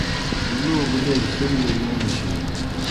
لوگوْ لیل سِن دہ گہ نہ میشِینوْ